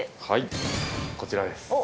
はいこちらです。